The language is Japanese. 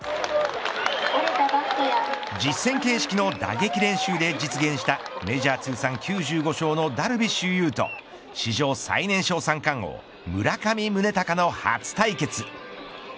実戦形式の打撃練習で実現したメジャー通算９５勝のダルビッシュ有と史上最年少三冠王村上宗隆の初対決。